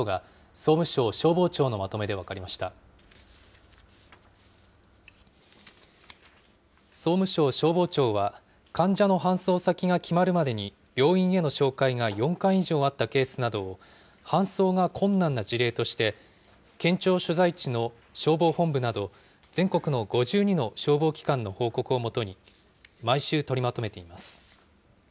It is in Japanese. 総務省消防庁は、患者の搬送先が決まるまでに病院への照会が４回以上あったケースなどを、搬送が困難な事例として、県庁所在地の消防本部など全国の５２の消防機関の報告をもとに、毎週取りまとめています。